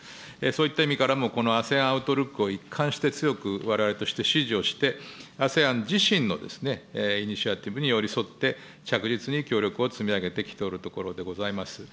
そういった意味からも、このＡＳＥＡＮアウトルックを一貫して強くわれわれとして支持をして、ＡＳＥＡＮ自身のイニシアティブに寄り添って、着実に協力を積み上げてきておるところでございます。